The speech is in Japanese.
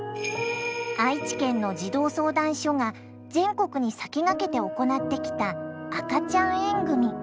愛知県の児童相談所が全国に先駆けて行ってきた「赤ちゃん縁組」。